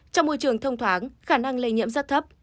trong môi trường thông thoáng khả năng lây nhiễm rất thấp